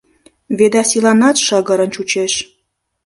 Ведасиланат шыгырын чучеш.